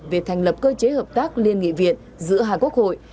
về thành lập cơ chế hợp tác liên nghị viện giữa hai quốc hội